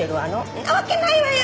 そんなわけないわよ